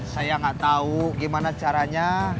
saya nggak tahu gimana caranya